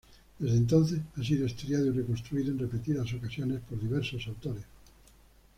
Desde entonces, ha sido estudiado y reconstruido en repetidas ocasiones por diversos autores.